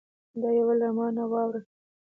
دا یوه له ما نه واوره